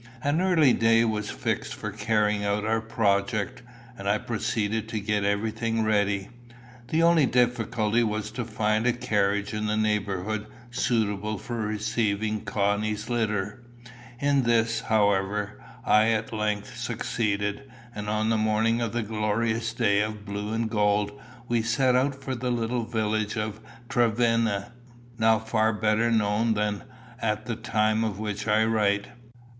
An early day was fixed for carrying out our project, and I proceeded to get everything ready. The only difficulty was to find a carriage in the neighbourhood suitable for receiving Connie's litter. In this, however, I at length succeeded, and on the morning of a glorious day of blue and gold, we set out for the little village of Trevenna, now far better known than at the time of which I write.